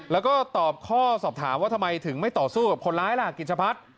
แล้วก็ตอบข้อสอบถามว่าทำไมถึงไม่ต่อสู้กับคนร้ายล่ะกิจชะพัฒน์